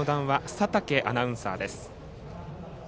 佐竹アナウンサーです。